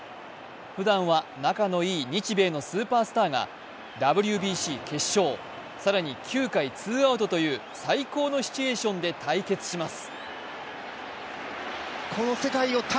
ふだんは仲のいい日米のスーパースターがＷＢＣ決勝、更に９回ツーアウトという最高のシチュエーションで対決します。